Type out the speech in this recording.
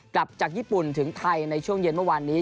กลับจากญี่ปุ่นถึงไทยในช่วงเย็นเมื่อวานนี้